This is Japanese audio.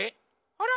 あら？